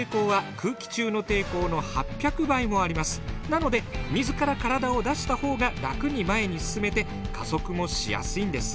なので水から体を出した方が楽に前に進めて加速もしやすいんです。